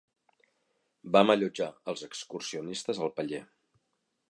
Vam allotjar els excursionistes al paller.